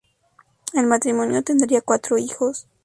El matrimonio tendría cuatro hijos.